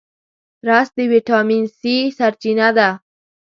رس د ویټامین C سرچینه ده